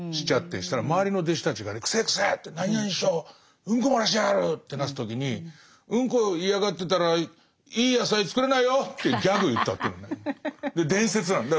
そしたら周りの弟子たちがね「くせえくせえ」って「何々師匠うんこ漏らしてやがる」ってなった時に「うんこ嫌がってたらいい野菜作れないよ」ってギャグ言ったっていうんだよ。